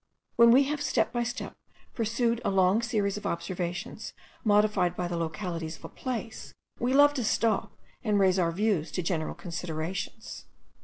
When we have step by step pursued a long series of observations modified by the localities of a place, we love to stop and raise our views to general considerations.